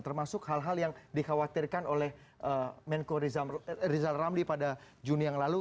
termasuk hal hal yang dikhawatirkan oleh menko rizal ramli pada juni yang lalu